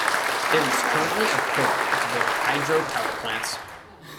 There is currently a programme to build hydro power plants.